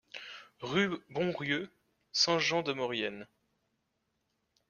Rue Bonrieux, Saint-Jean-de-Maurienne